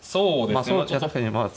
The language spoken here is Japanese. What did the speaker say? いや確かにまあ